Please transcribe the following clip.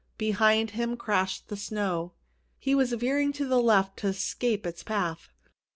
Behind him crashed the snow. He was veering to the left to escape its path.